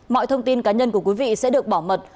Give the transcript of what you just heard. mọi thông tin cá nhân của quý vị sẽ được bảo mật